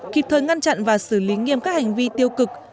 kịp thời ngăn chặn và xử lý nghiêm các hành vi tiêu cực